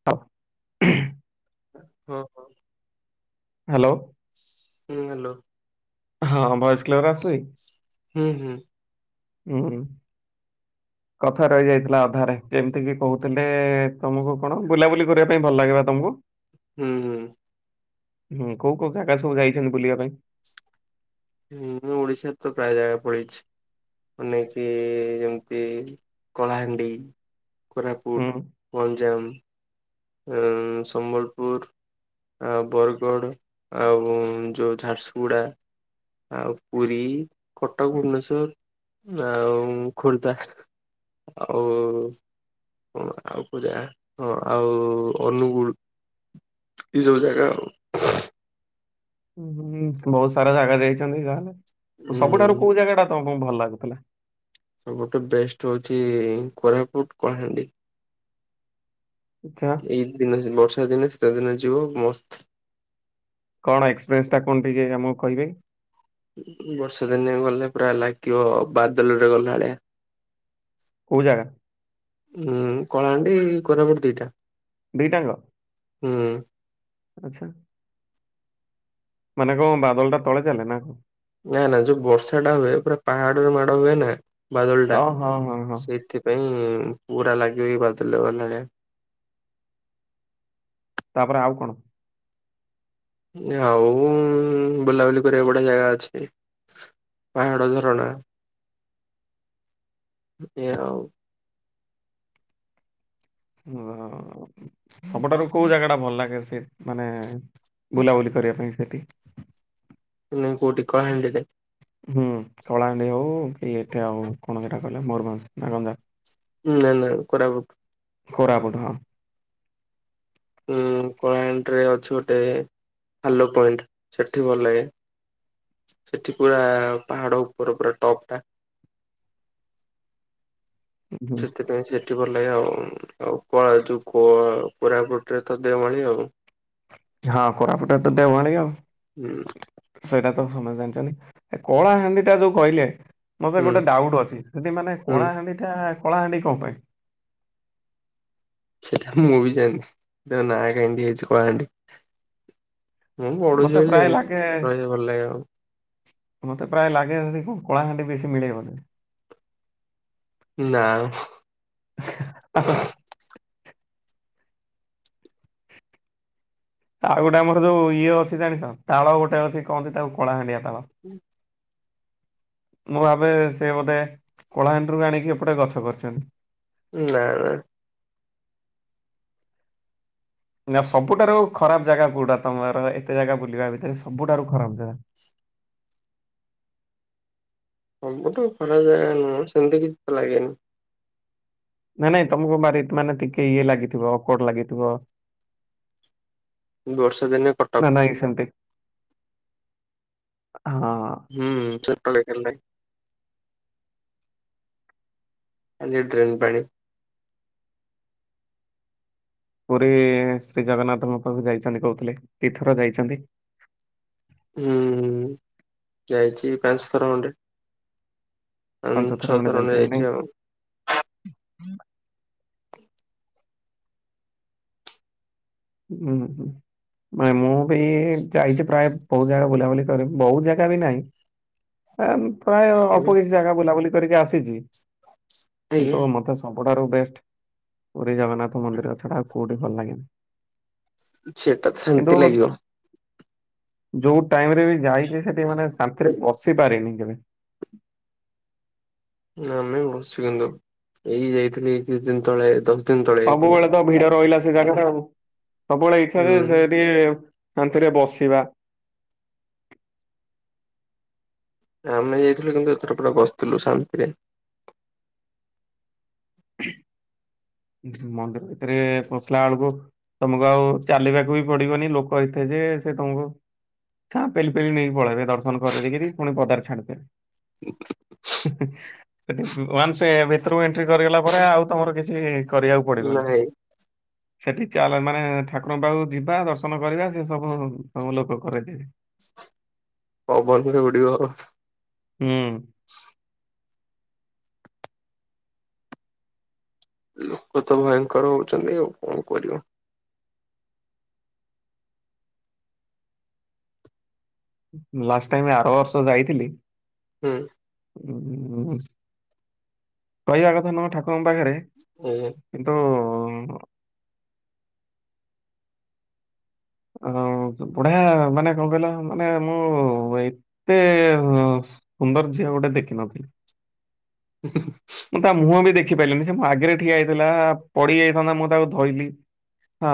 ହଉ ଉଁ ଉଁ। ହଁ। ହଁ ହ୍ୟାଲୋ। ହୁଁ ହ୍ୟାଲୋ। ହଁ ଭଏସ କିଲ୍ଲର ଆସୁଚି। ହୁଁଉଁ ହୁଁ। ଉଁ ହୁଁ କଥା ରହି ଯାଇଥିଲା ଅଧାରେ ଯେମିତି କିି କହୁଥିଲେ ତମକୁ କଣ ବୁଲାବୁଲି କରିବା ପାଇଁ ଭଲ ଲାଗେବା ତମକୁ। [inaudible] ହୁଁ ହୁଁ। ହୁଁ କୋଉ କୋଉ ଜାଗା ସବୁ ଯାଇଛନ୍ତି ବୁଲିବା ପାଇଁ। ହୁଁ ମୁଁ ଓଡିଶାର ତ ପ୍ରାୟ ଜାଗା ପଲେଇଚି। ନେଇକି ଯେମିତି କଳାହାଣ୍ଡି। ହୁଁ କୋରାପୁଟ ଗଞ୍ଜାମ ସମ୍ବଲପୁର। ଆଉ ବରଗଡ଼ ଆଉ ଯୋଉ ଝାରସୁଗୁଡା। ଆଉ ପୁରୀ କଟକ ଭୁବନେଶ୍ୱର୍। ଆଉ ଖୋର୍ଦ୍ଧା। ଆଉ କଣ ଆଉ କୋଉ ଜାଗା। ଆଉ ଅନୁଗୁଳ ଏସବୁ ଜାଗା ଆଉ। ହୁଁ ବହୁତ ସାରା ଜାଗା ଯାଇଛନ୍ତି ଯାହେଲେ ସବୁଠାରୁ ହୁଁ କୋଉ ଜାଗା ଟା ତମକୁ ଭଲ ଲାଗୁଥିଲା। ସବୁଠୁ ବେଷ୍ଟ ହଉଛି କୋରାପୁଟ କଳାହାଣ୍ଡି। ଆଚ୍ଛା ଏଇ ଦିନରେ ବର୍ଷା ଦିନେ ଶୀତ ଦିନେ ଯିବ ମସ୍ତ। କଣ ଏକ୍ସପିରେଏନ୍ସ କଣ ଟିକେ ଆମକୁ କହିବେ। ବର୍ଷା ଦିନେ ଗଲେ ପୁରା ଲାଗିବ ବାଦଲରେ ଗଲା ଭଳିଆ। କୋଉ ଜାଗା? ଉଁ କଳାହାଣ୍ଡି କୋରାପୁଟ ଦିଟା। ଦିଟାଙ୍କ। ହୁଁ। ଆଚ୍ଛା। ମାନେ କଣ ବାଦଲ ଟା ତଳେ ଚାଲେ ନା କଣ? ନା ନା ଯୋଉ ବର୍ଷା ଟା ହୁଏ ପୁରା ପାହାଡରେ ମାଡ ହୁଏ ନା ବାଦଳ ଟା ଓ ହଁ ହଁ ହଁ ସେଇଥି ପାଇଁ ପୁରା ଲାଗିବ ଏଇ ବାଦଲମାନେ ତାପରେ ଆଉ କଣ? ଆଉ ବୁଲାବୁଲି କରିବା ବଢିଆ ଜାଗା ଅଛି। ପାହାଡ ଝରଣା। ଏ ଆଉ। ହଁ। ସବୁଠାରୁ କୋଉ ଜାଗାଟା ଭଲ ଲାଗେ ସେ ମାନେ ବୁଲାବୁଲି କରିବା ପାଇଁ ସେଠି ନାଇ କୋଉଠି କଳାହାଣ୍ଡିରେ? ହୁଁ କଳାହାଣ୍ଡି ହଉ କି ଏଠେ ଆଉ କଣ ସେଟା କହିଲେ ମୟୁରଭଞ ଆଉ ଗଞ୍ଜାମ। ନା ନା କୋରାପୁଟ। କୋରାପୁଟ ହଁ। ଉଁ କଳାହାଣ୍ଡିରେ ଅଛି ଗୋଟେ ହାଲୋ ପଏଣ୍ଟ ସେଠି ଭଲ ଲାଗେ। ସେଠି ପୁରା ପାହାଡ ଉପର ପୁରା ଟପ୍ ଟା। ହୁଁ। ସେଥିପାଇଁ ସେଇଠି ଭଲ ଲାଗେ ଆଉ ଆଉ କଳା ଯୋଉ କୋ କୋରାପୁଟରେ ତ ଦେଓମାଳି ଆଉ। ହଁ କୋରାପୁଟାରେତ ଦେଓମାଳି ଆଉ। ହୁଁ। ସେଇଟା ତ ସମସ୍ତେ ଜାଣିଛନ୍ତି କଳାହାଣ୍ଡିଟା ଯୋଉ କହିଲେ ମତେ ହୁଁ ଗୋଟେ ଡାଉଟ୍ ଅଛି। ସେଠି ମାନେ ହୁଁ କଳାହାଣ୍ଡି ଟା କଳାହାଣ୍ଡି କଣ ପାଇଁ? ସେଇଟା ମୁଁ ବି ଜାଣିନି ସେଟା ନା କେମିତି ହେଇଛି କଳାହାଣ୍ଡି। ମୁଁ ପଢୁଛି ମତେ ବୋଲି ପ୍ରାୟ ଜାଣିଛି ଲାଗେ ଭଲ ଲାଗେ ଆଉ। ମତେ ପ୍ରାୟ ଲାଗେ ସେଠି କ କଳାହାଣ୍ଡି ବେଶୀ ମିଳେଇବ ମୋତେ। ନା। ଆଉ ଗୋଟେ ଆମର ଯୋଉ ଇଏ ଅଛି ଜାଣିଛ ତାଳ ଗୋଟେ ଅଛି କହନ୍ତି ତାକୁ କଳାହାଣ୍ଡିଆ ତାଳ। ହୁଁ। ମୁଁ ଭାବେ ସେ ବୋଧେ କଳାହାଣ୍ଡିରୁ ଆଣିକି ଏପଟେ ଗଛ କରିଛନ୍ତି। ନା ନା। ନା ସବୁଠାରୁ ଖରାପ ଜାଗା କୋଉଟା ତମର ଏତେ ଜାଗା ବୁଲିବା ଭିତରେ ସବୁଠାରୁ ଖରାପ ଜାଗା। ସବୁଠୁଁ ଖରାପ ଜାଗା ନୁହଁ ସେମିତି କିଛି ତ ଲାଗେନି। ନାଇଁ ନାଇଁ ତମକୁ ମାରି ମାନେ ଟିକେ ଇଏ ଲାଗିଥିବ ଅକଉଡ ଲାଗିଥିବ। ବର୍ଷା ଦିନେ କଟକ। ନାଇଁ ନାଇଁ ସେମିତି ହଁ। ହୁଁ ଛୋଟ ବେଳେ ଖେଳୁଥାଏ। ଆଯେ ଡ୍ରେନ୍ ପାଣି ପୁରୀ ଶ୍ରୀ ଜଗନ୍ନାଥଙ୍କ ପାଖକୁ ଯାଇଛନ୍ତି କହୁଥିଲେ ଦି ଥର ଯାଇଛନ୍ତି। ହୁଁ ଯାଇଛି ପାଞ୍ଚ ଥର ଖଣ୍ଡେ। ମୁଁ ପାଞ୍ଚ ଛଅ ଥର ଖଣ୍ଡେ ଯାଇଛନ୍ତି ନାଇଁ ଯାଇଛି। ହୁଁ ହୁଁ। ମେ ମୁଁ ବି ଯାଇଛି ପ୍ରାୟ ବହୁତ ଜାଗା ବୁଲାବୁଲି କରିବି ବହୁତ ଜାଗା ବି ନାହିଁ। ପ୍ରାୟ ଅଳ୍ପ କିଛି ଜାଗା ବୁଲାବୁଲି କରିକି ଆସିଛି ଆଜ୍ଞା କିନ୍ତୁ ମତେ ସବୁଠାରୁ ବେଷ୍ଟ ପୁରୀ ଜଗନ୍ନାଥ ମନ୍ଦିର ଛଡା ଆଉ କୋଉଠି ଭଲ ଲାଗେନି ସେଟା ତ କିନ୍ତୁ ସେମିତି ଲାଗିବ। ଯୋଉ ଟାଇମ ରେ ବି ଯାଇଛି ସେଠି ମାନେ ଶାନ୍ତିରେ ବସିପାରିନି କେବେ ଆମେ ବସିଛୁ କିନ୍ତୁ ଏଇ ଯାଇଥିଲି କିଛି ଦିନ ତଳେ ଦ ସବୁବେଳେ ତ ଭିଡ ରହିଲା ସେ ଜାଗା ଟା ଆଉ, ସବୁବେଳେ ଇଚ୍ଛା ଯେ ହୁଁ ସେ ଟିକେ ଶାନ୍ତିରେ ବସିବା। ଆମେ ଯାଇଥିଲୁ କିନ୍ତୁ ଏଥର ପୁରା ବସିଥିଲୁ ଶାନ୍ତିରେ। [inaudible] ମନ୍ଦିର ଭିତରେ ପଶିଲା ବେଳକୁ ତମକୁ ଆଉ ଚାଲିବାକୁ ବି ପଡିବନି ଲୋକ ଏଥେ ଯେ ସେ ତମକୁ ହଁ ପେଲି ପେଲି ନେଇକି ପଳେଇବେ ଦର୍ଶନ କରେଇ ଦେଇକି ପୁଣି ପଦାରେ ଛାଡ଼ି ଦେବେ। ୱାନ୍ସ ଭିତରକୁ ଏଣ୍ଟ୍ରି କରିଗଲା ପରେ ଆଉ ତମର କିଛି କରିବାକୁ ପଡିବନି। ନାଇଁ ସେଠି ଚାଲ ମାନେ ଠାକୁରଙ୍କ ପାଖକୁ ଯିବା ଦର୍ଶନ କରିବା ସେ ସବୁ ତମକୁ ଲୋକ କରେଇଦେବେ। [inaudible] କୋଉ ବୟସ ରେ ବୁଡିବ। ହୁଁ। ଲୋକ ତ ଭୟଙ୍କର ହଉଛନ୍ତି ଆଉ କଣ କରିବ ଲାଷ୍ଟ ଟାଇମ ଆର ବର୍ଷ ଯାଇଥିଲି ହୁଁ। କହିବା କଥା ନୁହଁ ଠାକୁରଙ୍କ ପାଖରେ ହୁଁ। କିନ୍ତୁ ହ ବଢିଆ ମାନେ କଣ କହିଲ ମାନେ ମୁଁ ଏତେ ସୁନ୍ଦର ଝିଅ ଗୋଟେ ଦେଖିନଥିଲି। [inaudible] ମୁଁ ତା ମୁହଁ ବି ଦେଖି ପାରିଲିନି ସେ ମ ଆଗରେ ଠିଆ ହେଇଥିଲା ପଡି ଯାଇଥାନ୍ତା ମୁଁ ତାକୁ ଧଇଲି। ହଁ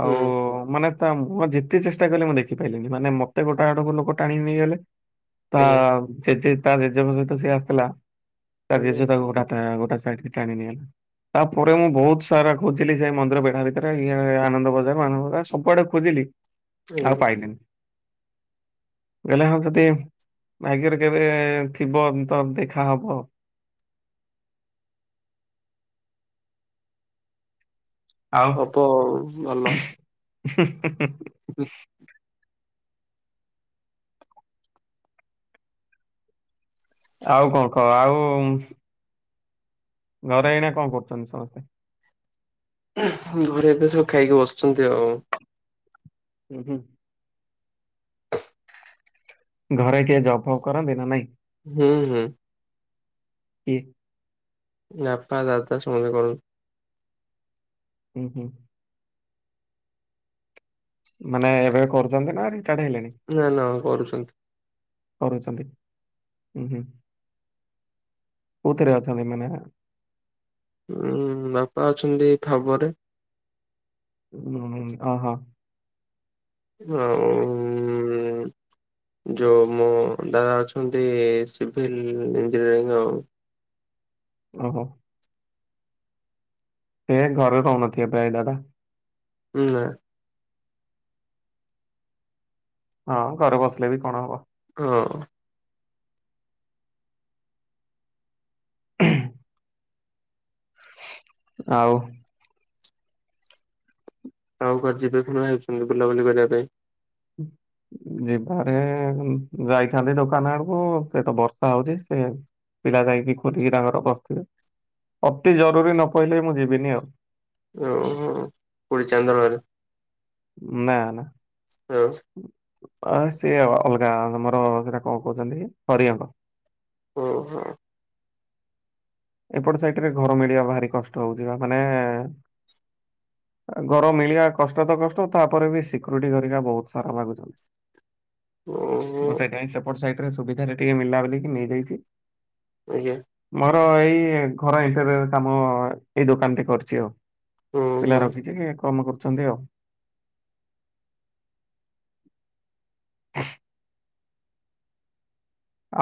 ଆଉ ହୁଁ ମାନେ ତା ମୁହଁ ଯେତେ ଚେଷ୍ଟା କଲି ମୁଁ ଦେଖି ପାରଲିିନି ମାନେ ମତେ ଗୋଟା ଆଡକୁ ଲୋକ ଟାଣିକି ନେଇଗଲେ ତା ଆଜ୍ଞା। ଜେଜେ ତା ଜେଜେଙ୍କ ସହିତ ସିଏ ଆସିଥିଲା ତା ଆଜ୍ଞା ଜେଜେ ତାକୁ ଗୋଟେ ହାଟ ଗୋଟେ ସାଇଟକୁ ଟାଣି ନେଇଗଲେ। ତାପରେ ମୁଁ ବହୁତ ସାରା ଖୋଜିଲି ସେ ମନ୍ଦିର ବେଢା ଭିତରେ ଇଏ ଆନନ୍ଦ ବଜାର ମାନନ୍ଦ ବଜାର ସବୁଆଡେ ଖୋଜିଲି ଆଜ୍ଞା ଆଉ ପାଇଲେନି ଗଲେ ହଁ ଯଦି ଭାଗ୍ୟରେ କେବେ ଥିବ ତ ଦେଖା ହବ ଆଉ। ଆଉ ହବ ହୁଁ ହୁଁ ହୁଁ। ହୁଁ। ଆଉ କଣ କହ ଆଉ ଘରେ ଏଇନା କଣ କରୁଛନ୍ତି ସମସ୍ତେ। ଘରେ ଏବେ ସବୁ ଖାଇକି ବସିଛନ୍ତି ଆଉ। ହୁଁ ହୁଁ। ଘରେ କିଏ ଜବ୍ ଫବ୍ କରନ୍ତି ନା ନାଇଁ? ହୁଁ, ହୁଁ। କିଏ? ନାପା ଦାଦା ସମସ୍ତେ କରୁ। ହୁଁ, ହୁଁ। ମାନେ ଏବେ କରୁଛନ୍ତି ନା ରିଟାର୍ଡ ହେଲେଣି? ନା ନା କରୁଛନ୍ତି। କରୁଛନ୍ତି, ଉଁ, ହୁଁ। କୋଉଥିରେ ଅଛନ୍ତି ମାନେ? ଉଁ, ବାପା ଅଛନ୍ତି ଖାବରେ। ଉଁ, ହୁଁ ଅ, ହୋ। ଯା ହୁଁ, ଉଁ,। ଯୋ ମୋ ଦାଦା ଅଛନ୍ତି ସିଭିଲ୍ ଇଞ୍ଜିନିୟରିଂ ଆଉ। ଓହୋ। ଏ ଘରେ ରହୁନଥିବେ ପ୍ରାୟ ଦାଦା? ନା। ହଁ ଘରେ ବସିଲେ ବି କଣ ହବ? ହଁ। ଆଉ ଆଉ କୁଆଡେ ଯିବେ ପୁଣି ଭାରିଛନ୍ତି ବୁଲାବୁଲି କରିବା ପାଇଁ? [inaudible] ଯିବାରେ ଯାଇଥାନ୍ତି ଦୋକାନ ଆଡକୁ ସେ ତ ବର୍ଷା ହଉଛି ସେ ପିଲା ଯାଇକି ଖୋଲିକି ତାଙ୍କର ବସଥିବେ। ଅତି ଜରୁରୀ ନ ପଇଲେ ମୁଁ ଯିବିନି ଆଉ। ଓ ହଁ କୋଉଠି ଚାନ୍ଦଳରେ? ନା, ନା। ଓହୋ ଅ, ସେ ଅ, [unintelligible] ଗାଁ ତୋମର ସେଟା କଣ କହୁଛନ୍ତି ହରିଅଙ୍କ। ଓ ହୋ। ଏପଟେ ସାଇଟ୍ ରେ ଘର ମିଳିବା ଭାରି କଷ୍ଟ ହଉଛି ବା ମାନେ ଅ, ଘର ମିଳିବା କଷ୍ଟ ତ କଷ୍ଟ ତାପରେ ବି ସିକ୍ୟୁରିଟି ହେରିକା ବହୁତ ସାରା ମାଗୁ ଚନ୍। ଓହୋ ମୁଁ ସେପାଇଁ ସେପଟ ସାଇଟ୍ ରେ ସୁବିଧା ରେ ଟିକେ ମିଲା ବୋଲିକି ନେଇଯାଇଛି। ଆଜ୍ଞା। ମୋର ଏଇ ଘର ଇଣ୍ଟରିୟର୍ କାମ ଏଇ ଦୋକାନ ଟି କରଛି ଆଉ। ହୁଁ ପିଲା ହୁଁ। ରଖିଛି କମ କରୁଛନ୍ତି ଆଉ। ହ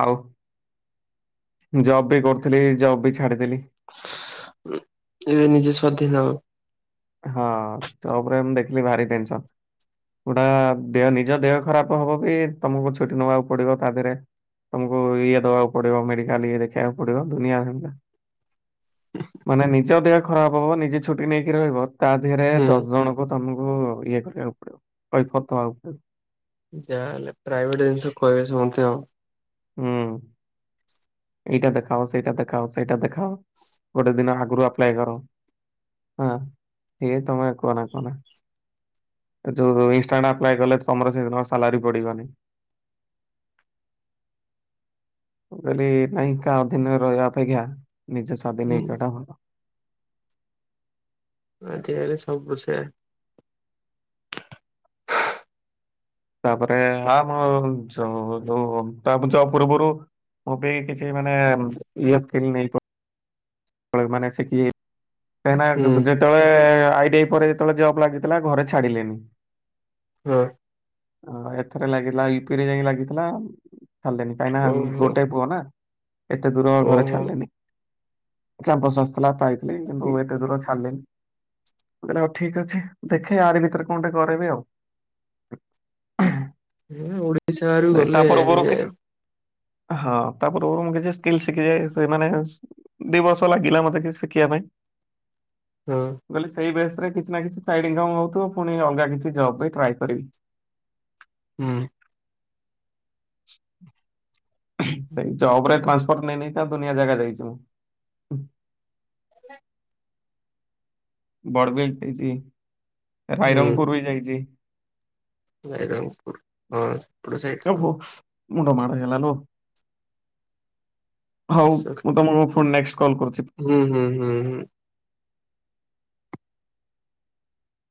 ଆଉ ଜବ୍ ବି କରୁଥିଲି ଜବ୍ ବି ଛାଡିଦେଲି। [unintelligible] ଏବେ ନିଜେ ସ୍ବାଧୀନ। ହଁ ଜବ୍ ରେ ମୁଁ ଦେଖିଲି ଭାରି ଟେନସନ। ଗୁଟା ଦେହ ନିଜ ଦେହ ଖରାପ ହବ ବି ତୋମକୁ ଛୁଟି ନବାକୁ ପଡିବ ତା ଦେହରେ ତୋମକୁ ଇଏ ଦବାକୁ ପଡିବ ମେଡିକାଲ ଇଏ ଦେଖେଇବାକୁ ପଡିବ ଦୁନିଆ ଧନ୍ଦା। ମାନେ ନିଜ ଦେହ ଖରାପ ହବ ନିଜେ ଛୁଟି ନେଇକି ରହିବ ତା ଦେହରେ ହୁଁ ଦଶ ଜଣ କୁ ତୋମକୁ ଇଏ କରିବାକୁ ପଡିବ, କଇଫତ୍ ଦବାକୁ ପଡିବ। ଯା ହେଲେ ପ୍ରାଇଭେଟ୍ ଜିନିଷ କହିବେ ସେମତି ଆଉ। ହଁ। ଏଇଟା ଦେଖାଅ, ସେଇଟା ଦେଖାଅ, ସେଇଟା ଦେଖାଅ, ଗୋଟେ ଦିନ ଆଗରୁ ଆପ୍ଲାଏ କର। ହଁ। ଇଏ ତମେ କୁହନା କୁହନା। ଯୋଉ ଇଷ୍ଟାଣ୍ଡ ଆପ୍ଲାଏ କଲେ ତମର କେବେ କଣ ସାଲାରୀ ପଡିବନି। ମୁଁ କହିଲି ନାଇଁ କା ଅଧୀନରେ ରହିବା ଅପେକ୍ଷା। ନିଜ ହୁଁ ସ୍ୱାଧୀନ ହେଇଜିବା ଟା ଭଲ। ମେ ଚିଆରରେ ସବୁ ପୋସେ। ତାପରେ ଆମହ ଯୋଉ ଚୋଉ ତାପ ଜବ କରୁ କରୁ କୋଉଠି କିଛି ମାନେ। ଇଏସେ କ୍ସିନି ମାନେ ନେଇପାରୁ ମାନେ ସେ କିଏ? କାହିଁକି ନାଁ ହୁଁ ଯେହେତୁ ଯେତେବେଳେ ଆଇ ଟିଆଇ ପରେ ଯେତେବେଳେ ଜବ ଲାଗିଥିଲା ଘରେ ଛାଡିଲେନି। ହଁ। ହଁ ଏଥରେ ଲାଗିଥିଲା ୟୁପିରେ ଯାଇକି ଲାଗିଥିଲା। ଛଡ଼ିଲେନି କାହିଁକି ନା ଓହୋ ଗୋଟଏ ପୁଅ ନା। ଏତେ ଦୂର ଘରେ ଓହୋ। ଛାଡିଲେନି। କ୍ୟାମ୍ପସ ଆସିଥିଲା ପାଇଥିଲେ କିନ୍ତୁ ଏତେ ଦୂର ଛାଡିଲନି। ମୁଁ କହିଲି ଆଉ ଠିକ୍ ଅଛି ଦେଖେ ଆରି ଭିତରେ କଣ ଟେ କରିବି ଆଉ। ଉହୁଁ। ପିଲାବି ଓଡିଶା ରୁ ଗଲେ ଏ କିଛି ହଁ ତା ପୃର୍ବ ରୁ ମୁ କିଛି କ୍ସିଲି ଶିଖିଯାଏ ସେମାନେ ଦି ବର୍ଷ ଲାଗିଲା ମତେ କିଛି ଶିଖିବା ପାଇଁ। ତ। ମୁଁ କହିଲି ସେଇ ବେସେ ରେ କିଛି ନା କିଛି ସାଇଡି ଇନମ୍ ହଉଥିବ ପୁଣି ଅଲଗା କିଛି ଜବ୍ ବି ଟ୍ରାଏ କରିବି। ହୁଁ। ସେଇ ଜବ ରେ ପାସଫଡ ନେଇନେଇକି ତା ଦୁନିଆ ଜାଗା ଯାଇ ଥିବ। ଗଲାଣି। ବଡ଼ବିଲି ଟିଜି। ଭାଇରଙ୍ଗ ପୁରୁ ହିଁ ଯାଇଛି। ବାଇରଙ୍ଗପୁରୁ। ହଁ ସେପଡ଼ ସାଇଟି ଓହୋ ସବୁ। ମୁଣ୍ଡ ମାଡ ହେଇଗଲା ଲୋ। ହଉ ସବୁ ମୁଁ ତମକୁ ଫୁଣି ନେକ୍ସଟେ କଲ୍ କରୁଛି। ହୁଁ ହୁଁ ହୁଁ ହୁଁ।